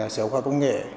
sở hóa công nghệ